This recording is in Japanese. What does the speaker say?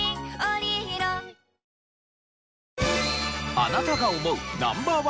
あなたが思うＮｏ．１